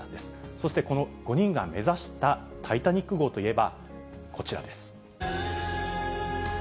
そして、この５人が目指したタイタニック号といえば、こちらです。